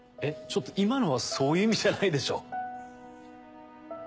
ちょっと今のはそういう意味じゃないでしょ。